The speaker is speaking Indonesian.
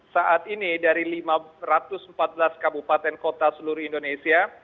saat ini dari lima ratus empat belas kabupaten kota seluruh indonesia